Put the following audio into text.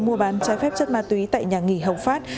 mua bán trái phép chất ma túy tại nhà nghỉ hồng phát